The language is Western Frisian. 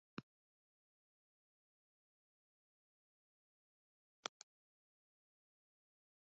Hawwe jo reservearre?